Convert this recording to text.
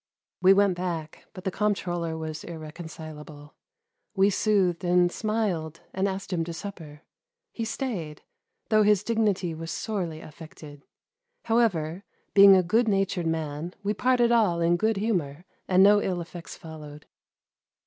We went back, but the comp troller was irreconcilable. We soothed and smiled, and asked him to supper. He stayed, though his dignity was sorely affected. However, being a good natured man, we parted all in good humour, and no ill effects followed.